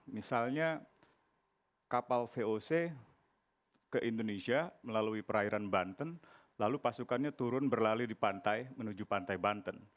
misalnya kapal voc ke indonesia melalui perairan banten lalu pasukannya turun berlalu di pantai menuju pantai banten